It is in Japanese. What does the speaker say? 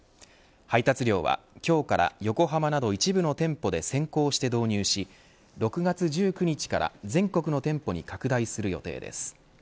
配達料は今日から、横浜など一部の店舗で先行して導入し６月１９日から全国の店舗に拡大する予定です。